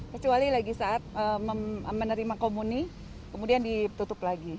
kecuali lagi saat menerima komuni kemudian ditutup lagi